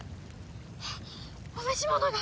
あっお召し物が！